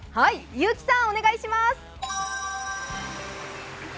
結城さん、お願いします。